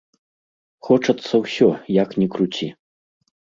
Хочацца ўсё, як ні круці.